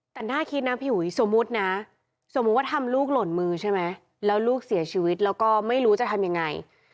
แต่น่าคิดนะพี่อุ๋ยสมมุตินะสมมุติว่าทำลูกหล่นมือใช่ไหมแล้วลูกเสียชีวิตแล้วก็ไม่รู้จะทำยังไง